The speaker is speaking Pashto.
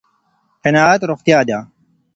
قناعت روغتيا ده